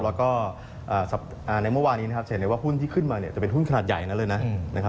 แล้วก็ในเมื่อวานนี้นะครับเสียในว่าหุ้นที่ขึ้นมาจะเป็นหุ้นขนาดใหญ่แล้วเลยนะ